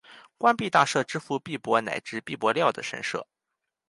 官币大社支付币帛乃至币帛料的神社。